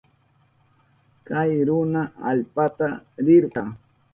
Kay runa allpata rirka.